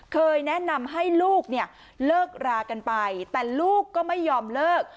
เคยแนะนำให้ลูกเนี่ยเลิกรากันไปแต่ลูกก็ไม่ยอมเลิก